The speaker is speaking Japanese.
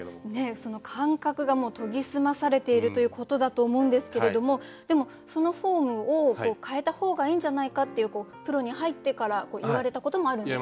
その感覚がもう研ぎ澄まされているということだと思うんですけれどもでもそのフォームを変えた方がいいんじゃないかっていうプロに入ってから言われたこともあるんですよね？